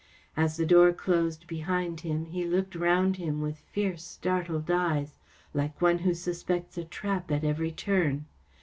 As the door closed behind him, he looked round him with fierce, startled eyes, like one who suspects a trap at every turn.